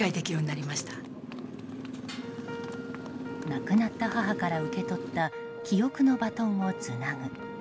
亡くなった母から受け取った記憶のバトンをつなぐ。